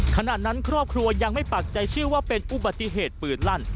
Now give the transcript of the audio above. ขณะนั้นครอบครัวยังไม่ปักใจเชื่อว่าเป็นอุบัติเหตุปืนลั่น